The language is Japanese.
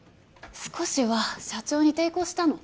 少しは社長に抵抗したの？